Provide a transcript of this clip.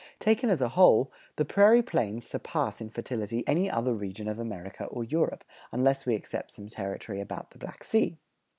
Taken as a whole, the Prairie Plains surpass in fertility any other region of America or Europe, unless we except some territory about the Black Sea.